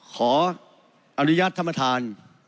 ขออนุญาตธรรมธาน